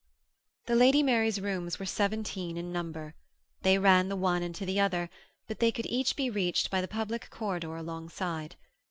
VII The Lady Mary's rooms were seventeen in number; they ran the one into the other, but they could each be reached by the public corridor alongside.